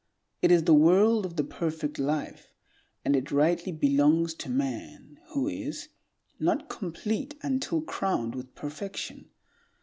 It is the world of the perfect life, and it rightly belongs to man, who is not complete until crowned with perfection.